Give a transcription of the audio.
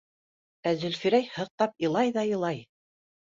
Ә Зөлфирә һыҡтап илай ҙа илай.